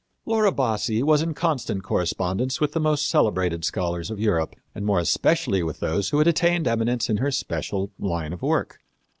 Laura Bassi was in constant correspondence with the most celebrated scholars of Europe, and more especially with those who had attained eminence in her special line of work.